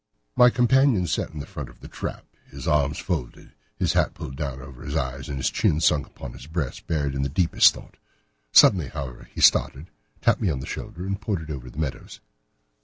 My companion sat in the front of the trap, his arms folded, his hat pulled down over his eyes, and his chin sunk upon his breast, buried in the deepest thought. Suddenly, however, he started, tapped me on the shoulder, and pointed over the meadows.